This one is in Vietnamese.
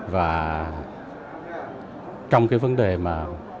và trong cái vấn đề mà